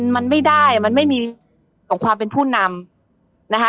มันไม่ได้มันไม่มีของความเป็นผู้นำนะคะ